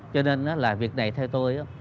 cho nên là việc này theo tôi